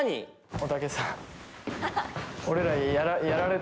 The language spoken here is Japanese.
おたけさん